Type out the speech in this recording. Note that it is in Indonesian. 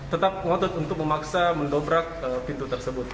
tetap ngotot untuk memaksa mendobrak pintu tersebut